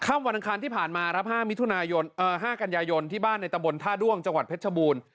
ค่ำวันทางที่ผ่านมารับ๕กัญญายนที่บ้านในตะบนท่าด้วงจังหวัดเพชรบูล